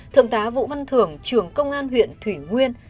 thượng tá vũ văn thường trường công an huyện thủy nguyên